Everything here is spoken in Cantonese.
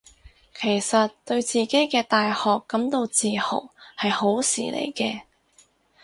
其實對自己嘅大學感到自豪係好事嚟嘅